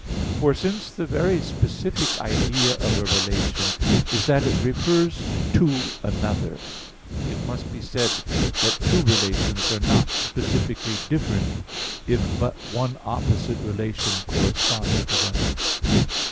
For, since the very specific idea of a relation is that it refers to another, it must be said that two relations are not specifically different if but one opposite relation corresponds to them.